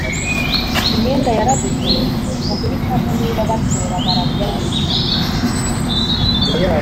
imyenda yaraguzwe mu guhitamo niba batora barajyayo